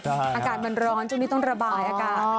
อากาศมันร้อนช่วงนี้ต้องระบายอากาศ